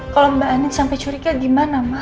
kalau mbak endin sampai curiga gimana mah